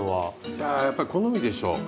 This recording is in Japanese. いややっぱり好みでしょう。